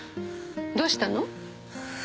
どうしたの？